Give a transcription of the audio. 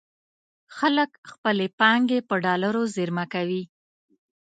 خلک خپلې پانګې په ډالرو زېرمه کوي.